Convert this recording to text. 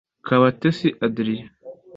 Kabatesi Adria